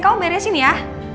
kamu beresin ya